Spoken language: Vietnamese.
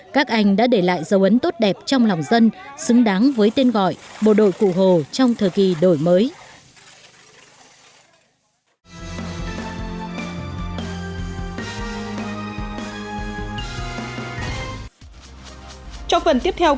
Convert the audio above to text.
các anh đã để lại dấu ấn tốt đẹp trong lòng dân xứng đáng với tên gọi bộ đội cụ hồ trong thời kỳ đổi mới